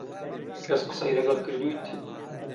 کەس قسەی لەگەڵ کردوویت؟